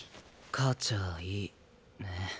勝ちゃあいいねえ。